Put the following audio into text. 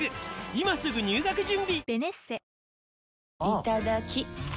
いただきっ！